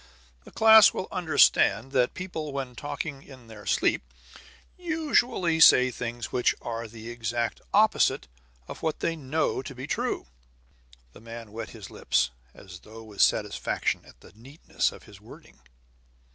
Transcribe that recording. "The class will understand that people, when talking in their sleep, usually say things which are the exact opposite of what they know to be true." The man wet his lips, as though with satisfaction at the neatness of his wording.